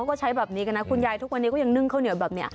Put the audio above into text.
ก็ใช้แบบนี้กันนะคุณยายทุกวันนี้ก็ยังนึ่งข้าวเหนียวแบบนี้